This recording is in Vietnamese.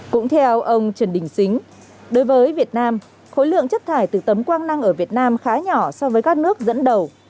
cũng theo ông trần đình xính đối với việt nam khối lượng chất thải từ tấm quang năng ở việt nam khá nhỏ so với các nước dẫn đầu